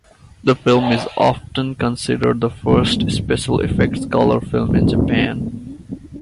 The film is often considered the first special effects color film in Japan.